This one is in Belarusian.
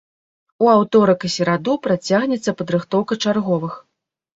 У аўторак і сераду працягнецца падрыхтоўка чарговых.